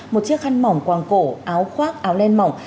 một chiếc khăn mỏng quảng cổ áo khoác áo len mỏng